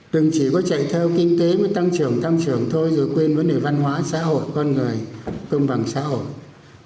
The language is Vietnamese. đừng chỉ có chạy theo kinh tế mới tăng trưởng tăng trưởng thôi rồi quên vấn đề văn hóa xã hội con người công bằng xã hội